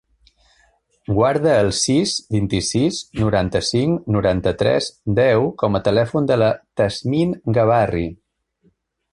Guarda el sis, vint-i-sis, noranta-cinc, noranta-tres, deu com a telèfon de la Tasnim Gabarri.